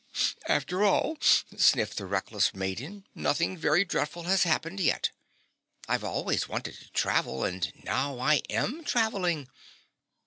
"After all," sniffed the reckless maiden, "nothing very dreadful has happened yet. I've always wanted to travel and now I AM travelling.